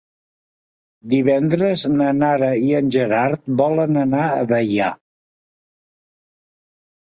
Divendres na Nara i en Gerard volen anar a Deià.